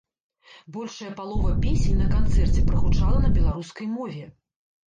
Большая палова песень на канцэрце прагучала на беларускай мове.